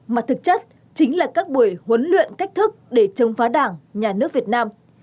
mà thực chất chính là các buổi huấn luyện cách thức để chống phá đảng nhà nước việt nam